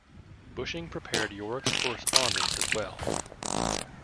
Bushing prepared York's correspondence as well.